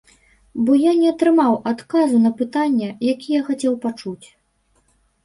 Бо я не атрымаў адказу на пытанне, які я хацеў пачуць.